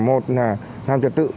một là làm trật tự